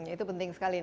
itu penting sekali